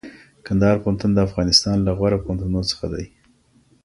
کندهار پوهنتون د افغانستان له غوره پوهنتونونو څخه دئ.